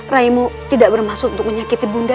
raimu tidak bermaksud untuk menyakiti bunda